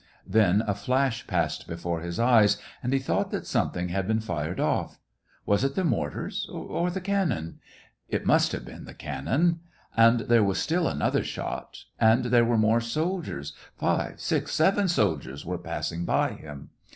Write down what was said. Then a flash passed before his eyes, and he thought that something had been fired off ; was it the mortars, or the cannon .^ It must have been the cannon. And there was still another shot ; and there were more soldiers ; five, six, seven soldiers were passing by him.